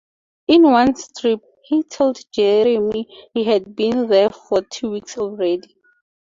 In one strip, he told Jeremy he had been there for two weeks already.